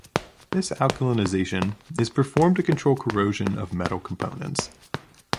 This alkalinization is performed to control corrosion of metal components.